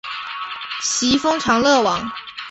徙封长乐王。